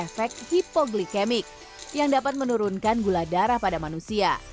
dan juga memiliki efek hipoglikemik yang dapat menurunkan gula darah pada manusia